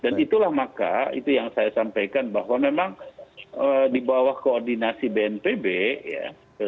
dan itulah maka itu yang saya sampaikan bahwa memang di bawah koordinasi bnpb ya